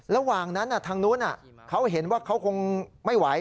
ระหว่างนั้นทางนู้นเขาเห็นว่าเขาคงไม่ไหว